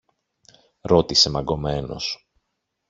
ρώτησε μαγκωμένος.